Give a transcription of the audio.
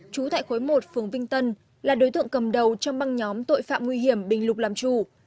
trú tại khối một phường vinh tân là đối tượng cầm đầu trong băng nhóm tội phạm nguy hiểm bình lục làm chủ